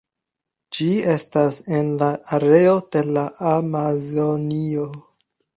Ĝi estas en la areo de la Amazonio.